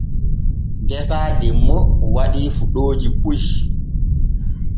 Geesa demmo waɗii fuɗooji puy.